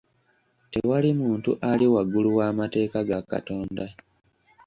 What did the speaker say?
Tewali muntu ali waggulu w'amateeka ga Katonda.